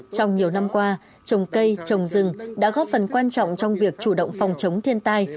trong nhiều năm qua trồng cây trồng rừng đã góp phần quan trọng trong việc chủ động phòng chống thiên tai